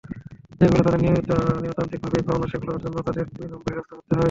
যেগুলো তাঁদের নিয়মতান্ত্রিকভাবেই পাওনা, সেগুলোর জন্য তাঁদের দুই নম্বরি রাস্তা ধরতে হয়।